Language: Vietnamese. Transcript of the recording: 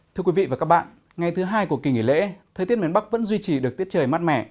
thưa quý vị và các bạn ngày thứ hai của kỳ nghỉ lễ thời tiết miền bắc vẫn duy trì được tiết trời mát mẻ